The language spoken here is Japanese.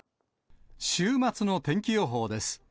週末の天気予報です。